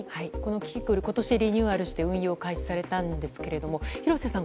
キキクル今年リニューアルして運用開始されたんですが廣瀬さん